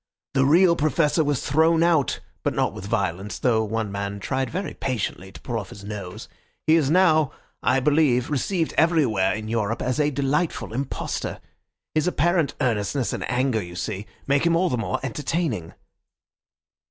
The real Professor was thrown out, but not with violence, though one man tried very patiently to pull off his nose. He is now, I believe, received everywhere in Europe as a delightful impostor. His apparent earnestness and anger, you see, make him all the more entertaining."